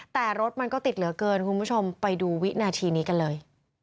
แต่รถมันก็ติดเหลือเกินคุณผู้ชมไปดูวินาทีนี้กันเลย